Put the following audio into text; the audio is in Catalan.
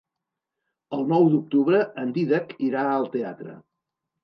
El nou d'octubre en Dídac irà al teatre.